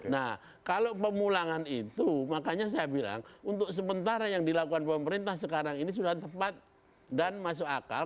nah kalau pemulangan itu makanya saya bilang untuk sementara yang dilakukan pemerintah sekarang ini sudah tepat dan masuk akal